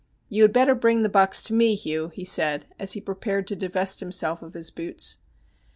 ' You had better bring the box to me, Il'igh,' he said, as he prepared to divest himself of his boots.